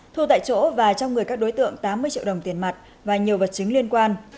thu tại chỗ và trong người các đối tượng tám mươi triệu đồng tiền mặt và nhiều vật chứng liên quan